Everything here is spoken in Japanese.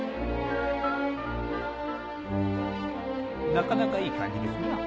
なかなかいい感じですな。